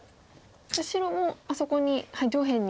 じゃあ白もあそこに上辺に。